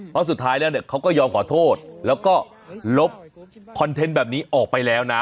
เพราะสุดท้ายแล้วเนี่ยเขาก็ยอมขอโทษแล้วก็ลบคอนเทนต์แบบนี้ออกไปแล้วนะ